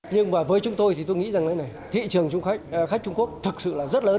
nhưng mà với chúng tôi thì tôi nghĩ rằng này này thị trường khách trung quốc thực sự là rất lớn